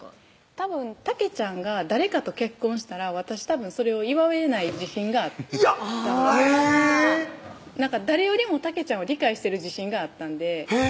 たぶんたけちゃんが誰かと結婚したら私たぶんそれを祝えない自信がいやっへぇ誰よりもたけちゃんを理解してる自信があったんでへぇ！